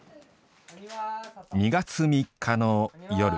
２月３日の夜。